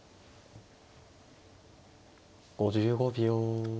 ５５秒。